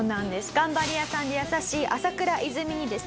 頑張り屋さんで優しい朝倉いずみにですね